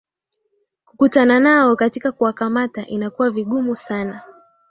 kukutana nao katika kuwakamata inakuwa vigumu sana